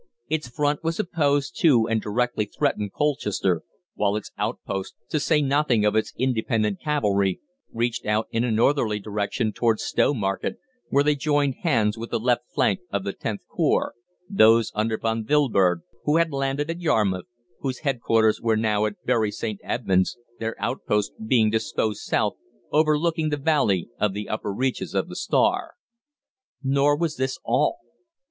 Its front was opposed to and directly threatened Colchester, while its outposts, to say nothing of its independent cavalry, reached out in a northerly direction towards Stowmarket, where they joined hands with the left flank of the Xth Corps those under Von Wilburg, who had landed at Yarmouth whose headquarters were now at Bury St. Edmunds, their outposts being disposed south, overlooking the valley of the upper reaches of the Stour." Nor was this all.